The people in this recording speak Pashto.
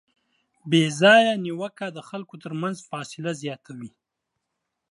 بېځایه نیوکه د خلکو ترمنځ فاصله زیاتوي.